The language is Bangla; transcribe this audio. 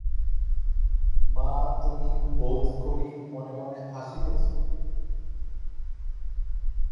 মা, তুমি বোধ করি মনে মনে হাসিতেছ।